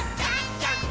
ジャンプ！！